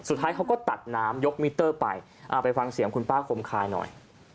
สุดท้ายเขาก็ตัดน้ำยกมิเตอร์ไปไปฟังเสียงคุณป้าคมคายหน่อย